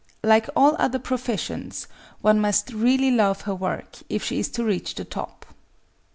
Like all other professions, one must really love her work if she is to reach the top.